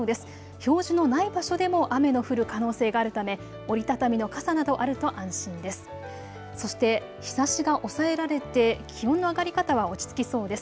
表示のない場所でも雨の降る可能性があるため折り畳みの傘などあると安心です。